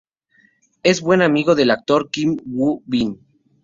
Es buen amigo del actor Kim Woo-bin.